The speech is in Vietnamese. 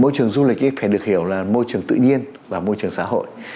môi trường du lịch phải được hiểu là môi trường tự nhiên và môi trường xã hội